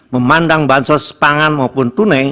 memandang bansos pangan maupun tunai